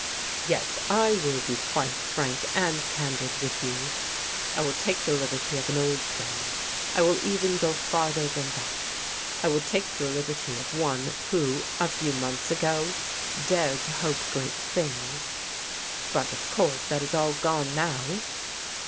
Yes, I will be quite frank and candid with you : I will take the liberty of an old friend — I will even go farther than that — I will take the liberty of one who, a few months ago, dared to hope great things. But, of course, that has all gone now."